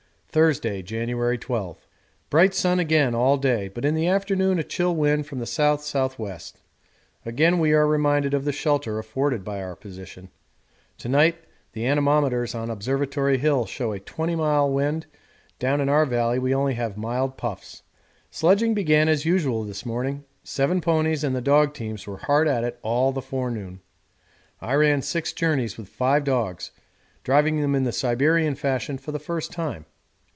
Thursday, January 12. Bright sun again all day, but in the afternoon a chill wind from the S.S.W. Again we are reminded of the shelter afforded by our position; to night the anemometers on Observatory Hill show a 20 mile wind down in our valley we only have mild puffs. Sledging began as usual this morning; seven ponies and the dog teams were hard at it all the forenoon. I ran six journeys with five dogs, driving them in the Siberian fashion for the first time.